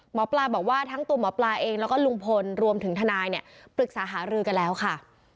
หมอปลาบอกว่าทั้งตัวหมอปลาเองแล้วก็ลุงพลรวมถึงทนายเนี่ยปรึกษาหารือกันแล้วค่ะ